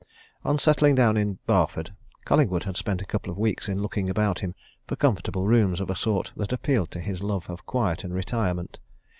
On settling down in Barford, Collingwood had spent a couple of weeks in looking about him for comfortable rooms of a sort that appealed to his love of quiet and retirement.